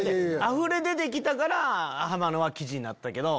あふれ出て来たからハマのは記事になったけど。